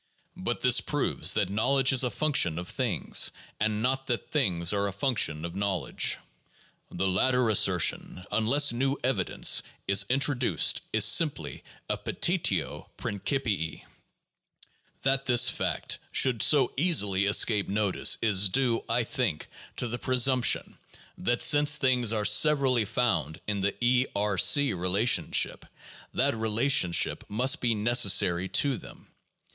But this proves that knowledge is a function of things, and not that things are a function of knowledge. The latter assertion, unless new evi dence is introduced, is simply a petitio prineipii. That this fact should so easily escape notice is due, I think, to the presumption that since things are severally found in the (E)R e relationship, that rela tionship must be necessary to them.